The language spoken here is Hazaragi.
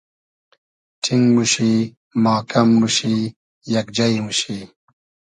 ݖینگ موشی, ماکئم موشی, یئگ جݷ موشی